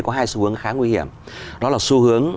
có hai xu hướng khá nguy hiểm đó là xu hướng